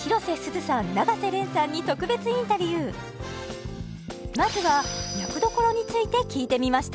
主演のまずは役どころについて聞いてみました